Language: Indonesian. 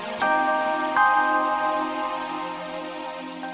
aku suka pernah lihat mak